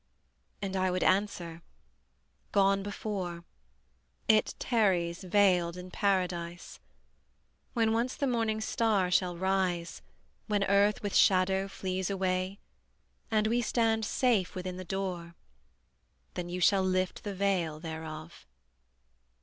And I would answer: Gone before; It tarries veiled in Paradise. When once the morning star shall rise, When earth with shadow flees away And we stand safe within the door, Then you shall lift the veil thereof.